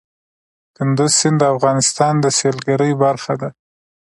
کندز سیند د افغانستان د سیلګرۍ برخه ده.